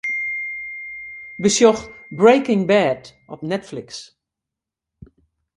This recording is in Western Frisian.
Besjoch 'Breaking Bad' op Netflix.